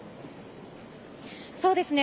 そうですね。